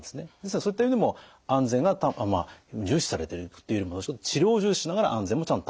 そういった意味でも安全が重視されてるっていうよりも治療を重視しながら安全もちゃんと担保してくれてると。